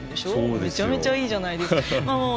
めちゃくちゃいいじゃないですか。